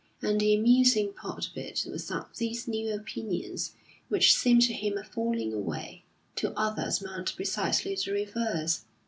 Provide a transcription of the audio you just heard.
And the amusing part of it was that these new opinions which seemed to him a falling away, to others meant precisely the reverse.